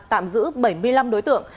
tạm giữ bảy mươi năm đối tượng